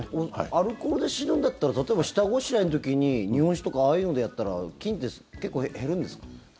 アルコールで死ぬんだったら例えば下ごしらえの時に日本酒とかああいうのでやったら菌って結構減るんですか？